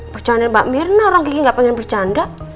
bercandain mbak mirna orang kiki gak pengen bercanda